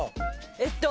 えっと。